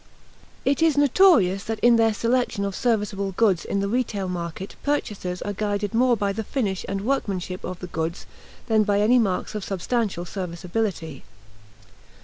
It is notorious that in their selection of serviceable goods in the retail market purchasers are guided more by the finish and workmanship of the goods than by any marks of substantial serviceability.